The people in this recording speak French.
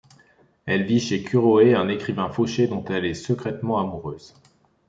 Elle vit chez Kuroe, un écrivain fauché dont elle est secrètement amoureuse.